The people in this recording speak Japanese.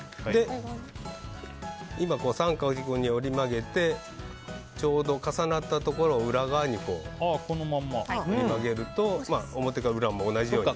今、三角に折り曲げてちょうど重なったところを裏側に折り曲げると表も裏も同じように。